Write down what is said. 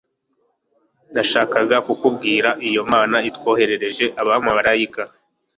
Nashakaga kukubwiraIyo Imana itwohereje abamarayika